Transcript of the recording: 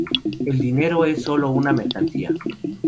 El dinero es sólo una mercancía.